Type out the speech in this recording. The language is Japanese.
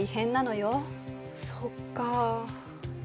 そっか。